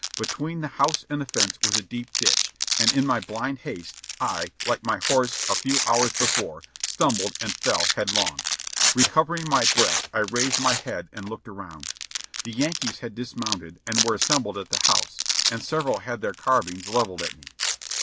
Between the house and the fence was a deep ditch, and in my blind haste I, like my horse a few hours before, stumbled and fell headlong; recovering my breath I raised my head and looked around. The Yankees had dismounted and were assembled at the house, and several had their carbines levelled at me.